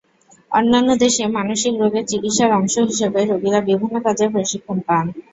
অন্যান্য দেশে মানসিক রোগের চিকিৎসার অংশ হিসেবে রোগীরা বিভিন্ন কাজের প্রশিক্ষণ পান।